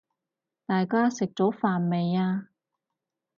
大家食咗飯未呀？